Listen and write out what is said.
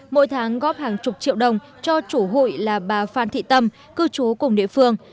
mỗi tháng góp hàng chục triệu đồng cho chủ hụi là bà phan thị tâm cư chú cùng địa phương